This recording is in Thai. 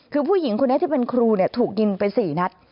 คือผู้หญิงคนนี้ที่เป็นครูถูกยิงไป๔นัด